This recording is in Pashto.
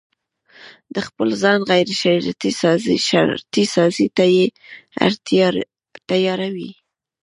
د خپل ځان غيرشرطي سازي ته يې تياروي.